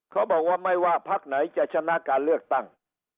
เขาบอกว่าไม่ว่าพักไหนจะชนะการเลือกตั้ง